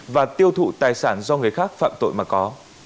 và tiêu thụ tài sản do người khác phạm tội mà có